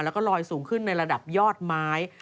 แล้วก็ลอยสูงขึ้นในระดับยอดไม้